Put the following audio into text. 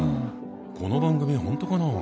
この番組本当かな？